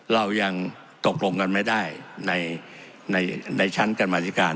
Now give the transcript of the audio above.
เรายังตกลงกันไม่ได้ในชั้นกรรมธิการ